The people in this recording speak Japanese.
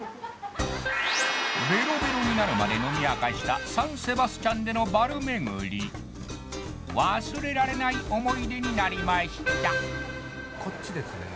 ベロベロになるまで飲み明かしたサンセバスチャンでのバル巡り忘れられない思い出になりましたこっちですね